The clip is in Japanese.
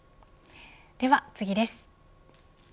では次です。